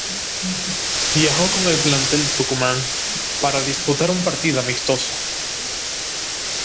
Viajó con el plantel a Tucumán, para disputar un partido amistoso.